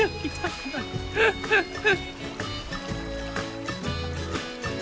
フフフフ。